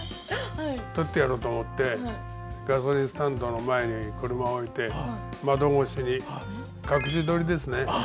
撮ってやろうと思ってガソリンスタンドの前に車置いて窓越しに隠し撮りですね。